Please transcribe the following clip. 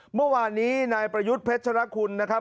เมื่อวานนี้นายประยุทธ์เพชรคุณนะครับ